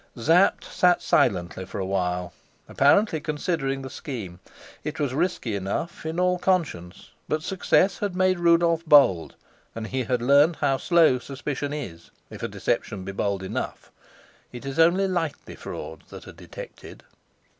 Sapt sat silent for a while, apparently considering the scheme. It was risky enough in all conscience, but success had made Rudolf bold, and he had learnt how slow suspicion is if a deception be bold enough. It is only likely frauds that are detected.